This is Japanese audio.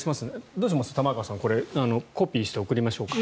どうします、玉川さんコピーして送りましょうか？